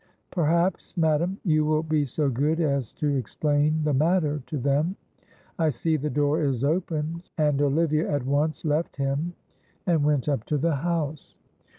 Perhaps, madam, you will be so good as to explain the matter to them. I see the door is open," and Olivia at once left him and went up to the house.